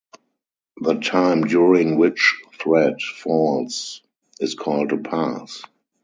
The time during which Thread falls is called a Pass.